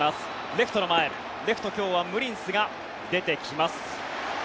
レフトの前レフト今日はムリンスが出てきます。